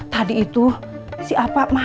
tadi itu si alva itu nangis